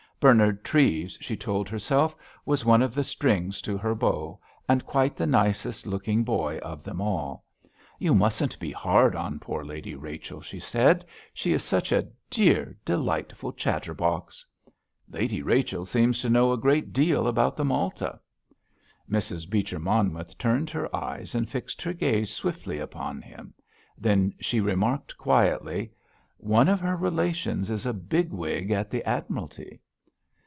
Bernard Treves, she told herself, was one of the strings to her bow, and quite the nicest looking boy of them all. "You mustn't be hard on poor Lady Rachel," she said; "she is such a dear, delightful chatterbox." "Lady Rachel seems to know a good deal about the Malta."' Mrs. Beecher Monmouth turned her eyes and fixed her gaze swiftly upon him; then she remarked, quietly: "One of her relations is a big wig at the Admiralty."